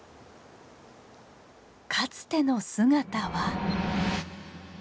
かつての姿は。